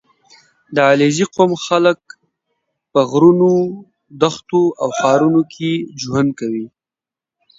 • د علیزي قوم خلک په غرونو، دښتو او ښارونو کې ژوند کوي.